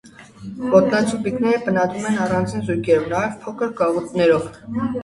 Ոտնացուպիկները բնադրում են առանձին զույգերով, նաև՝ փոքր գաղութներով։